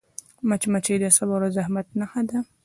مچمچۍ د صبر او زحمت نښه ده